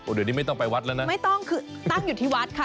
เดี๋ยวนี้ไม่ต้องไปวัดแล้วนะไม่ต้องคือตั้งอยู่ที่วัดค่ะ